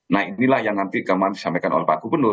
nah inilah yang nanti kemarin disampaikan oleh pak gubernur